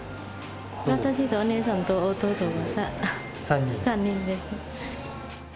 私とお姉さんと弟、３人です。